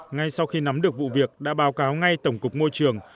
ngay sau khi nắm được vụ việc đã báo cáo ngay tổng cục môi trường